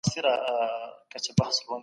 تاسو به د هېواد واک وړ کسانو ته ورسپارئ.